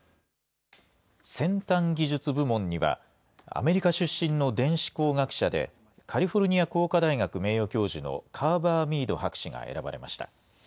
先端技術部門には、アメリカ出身の電子工学者で、カリフォルニア工科大学名誉教授のカーヴァー・ミード博士が選ばれました。